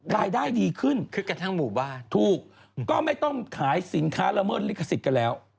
รายได้ดีขึ้นถูกก็ไม่ต้องขายสินค้าระเมิดลิขสิทธิ์กันแล้ว